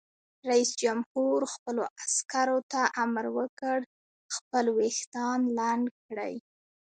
رئیس جمهور خپلو عسکرو ته امر وکړ؛ خپل ویښتان لنډ کړئ!